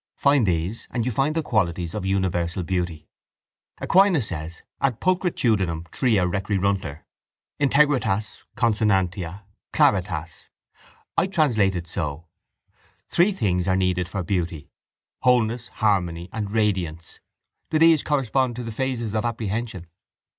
Find these and you find the qualities of universal beauty. Aquinas says: Ad pulcritudinem tria requiruntur integritas, consonantia, claritas. I translate it so: Three things are needed for beauty, wholeness, harmony and radiance. Do these correspond to the phases of apprehension?